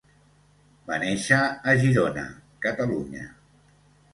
Va néixer a Girona, Catalunya.